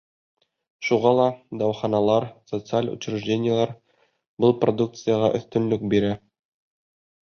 Шуға ла дауаханалар, социаль учреждениелар был продукцияға өҫтөнлөк бирә.